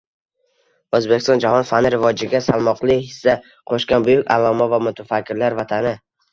Oʻzbekiston jahon fani rivojiga salmoqli hissa qoʻshgan buyuk alloma va mutafakkirlar vatani